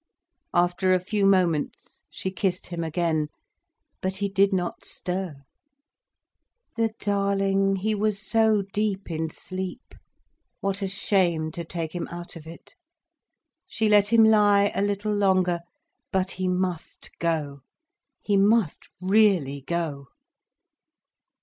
After a few moments, she kissed him again. But he did not stir. The darling, he was so deep in sleep! What a shame to take him out of it. She let him lie a little longer. But he must go—he must really go.